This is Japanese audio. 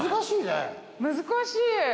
難しいね。